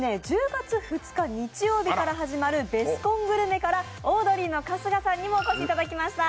１０月２日日曜日から始まるベスコングルメからオードリーの春日さんにもお越しいただきました。